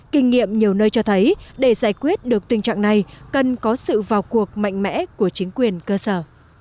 kinh nghiệm nhiều nơi cho thấy để giải quyết được tình trạng này cần có sự vào cuộc mạnh mẽ của chính quyền cơ sở